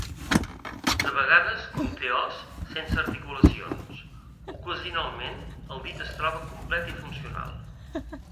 De vegades conté os sense articulacions; ocasionalment el dit es troba complet i funcional.